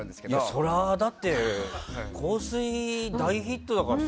そりゃ、だって「香水」大ヒットだから。